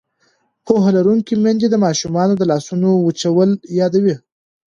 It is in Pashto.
پوهه لرونکې میندې د ماشومانو د لاسونو وچول یادوي.